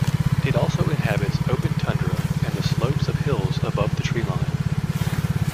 It also inhabits open tundra and the slopes of hills above the tree line.